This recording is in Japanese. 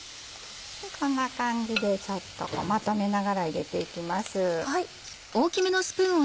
こんな感じでちょっとまとめながら入れていきます。